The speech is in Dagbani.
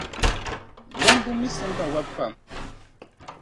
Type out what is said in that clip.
Yambu mí simpa wabu pam.